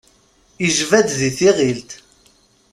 Ijba-d di tiɣilt.